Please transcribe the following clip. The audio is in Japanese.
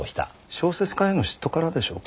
小説家への嫉妬からでしょうか？